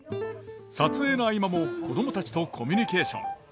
撮影の合間も子供たちとコミュニケーション。